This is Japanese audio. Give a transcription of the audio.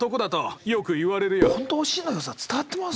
本当「おしん」のよさ伝わってます？